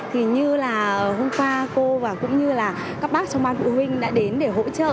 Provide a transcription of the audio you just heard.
thì như là hôm qua cô và cũng như là các bác trong ban phụ huynh đã đến để hỗ trợ